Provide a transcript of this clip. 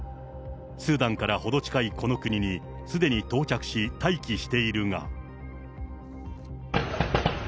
スーダンから程近いこの国にすでに到着し、待機しているが。